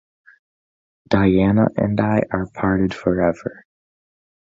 Diana and I are parted forever.